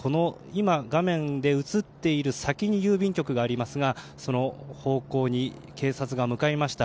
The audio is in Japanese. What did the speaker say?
画面で映っている先に郵便局がありますがその方向に警察が向かいました。